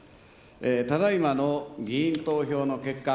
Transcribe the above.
ただいまの議員投票の結果